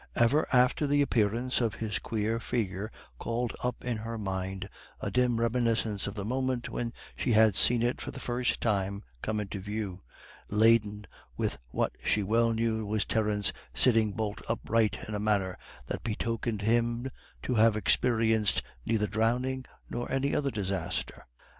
Ever after the appearance of his queer figure called up in her mind a dim reminiscence of the moment when she had seen it for the first time come into view, laden with what she well knew was Terence sitting bolt upright in a manner that betokened him to have experienced neither drowning nor any other disaster.